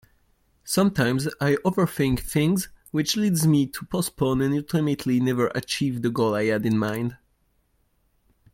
Sometimes I overthink things which leads me to postpone and ultimately never achieve the goal I had in mind.